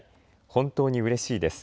本当にうれしいです。